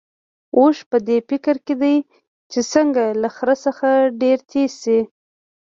اوښ په دې فکر کې دی چې څنګه له خره څخه ډېر تېز شي.